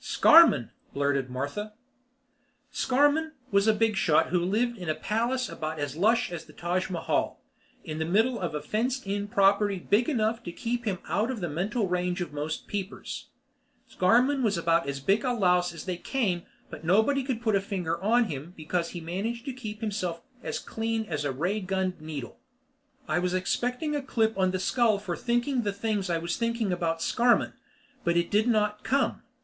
"Scarmann?" blurted Martha. Scarmann was a big shot who lived in a palace about as lush as the Taj Mahal, in the middle of a fenced in property big enough to keep him out of the mental range of most peepers. Scarmann was about as big a louse as they came but nobody could put a finger on him because he managed to keep himself as clean as a raygunned needle. I was expecting a clip on the skull for thinking the things I was thinking about Scarmann, but it did not come.